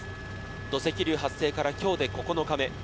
土石流発生から今日で９日目。